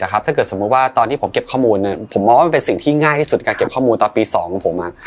ถ้าเกิดสมมุติว่าตอนที่ผมเก็บข้อมูลผมมองว่ามันเป็นสิ่งที่ง่ายที่สุดการเก็บข้อมูลตอนปี๒ของผม